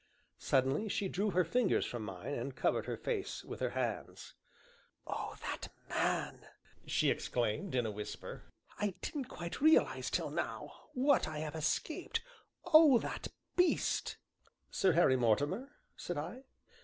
Suddenly she drew her fingers from mine, and covered her face with her hands. "Oh, that man!" she exclaimed, in a whisper, "I didn't quite realize till now what I have escaped. Oh, that beast!" "Sir Harry Mortimer?" said I.